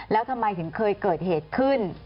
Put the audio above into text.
แล้วทำไมถึงเคยเกิดเหตุขึ้น